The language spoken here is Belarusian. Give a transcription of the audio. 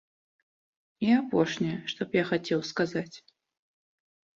І апошняе, што б я хацеў сказаць.